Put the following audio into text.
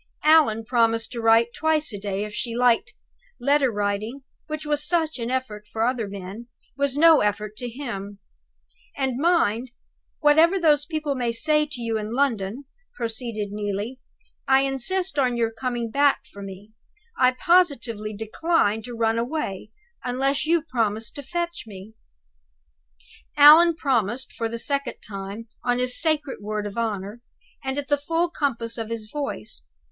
Allan promised to write twice a day, if she liked letter writing, which was such an effort to other men, was no effort to him! "And mind, whatever those people may say to you in London," proceeded Neelie, "I insist on your coming back for me. I positively decline to run away, unless you promise to fetch me." Allan promised for the second time, on his sacred word of honor, and at the full compass of his voice.